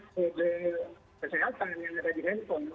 kode kesehatan yang ada di handphone